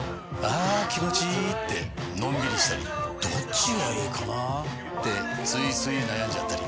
あ気持ちいいってのんびりしたりどっちがいいかなってついつい悩んじゃったり。